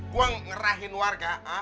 gua ngerahin warga